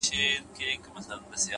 قناعت د ارام ذهن پټ راز دی؛